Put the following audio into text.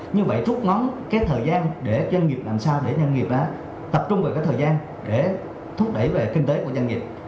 như vậy rút ngắn cái thời gian để doanh nghiệp làm sao để doanh nghiệp đó tập trung về cái thời gian để thúc đẩy về kinh tế của doanh nghiệp